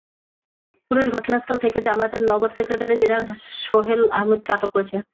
Police ঘটনাস্থল থেকে জামায়াতের নগর সেক্রেটারি জেনারেল সোহেল আহমদকে আটক করেছে।